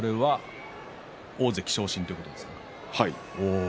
それは大関昇進ということですか。